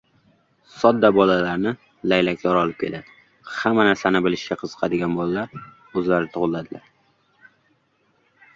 — Sodda bolalarni laylaklar olib keladi, hamma narsani bilishga qiziqadigan bolalar o‘zlari tug‘iladilar.